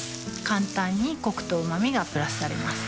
簡単にコクとうま味がプラスされます